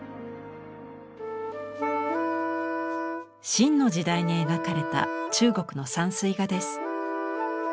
清の時代に描かれた中国の山水画です。